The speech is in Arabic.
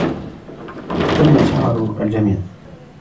تم إشعار الجميع.